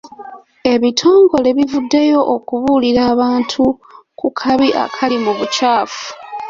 Ebitongole bivuddeyo okubuulira abantu ku kabi akali mu bukyafu.